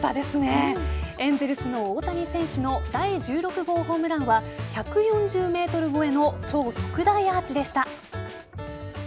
エンゼルスの大谷選手の第１６号ホームランは１４０ｍ超えの超特大アーチでした。